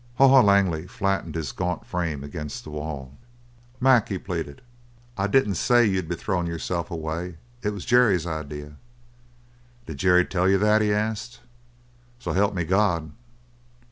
Haw Haw Langley flattened his gaunt frame against the wall. "Mac!" he pleaded, "I didn't say you'd be throwin' yourself away. It was Jerry's idea." "Did Jerry tell you that?" he asked. "So help me God!"